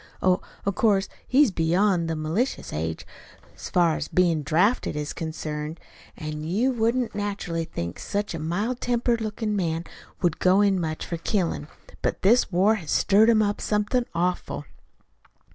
Oh, of course, he's beyond the malicious age, so far as bein' drafted is concerned, an' you wouldn't naturally think such a mild tempered lookin' man would go in much for killin'. But this war's stirred him up somethin' awful."